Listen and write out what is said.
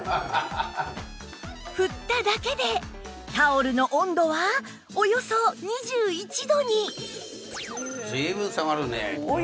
振っただけでタオルの温度はおよそ２１度に